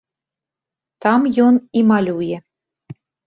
Там ён і малюе.